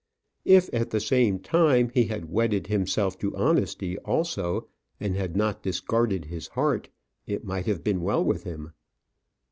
If, at the same time, he had wedded himself to honesty also, and had not discarded his heart, it might have been well with him.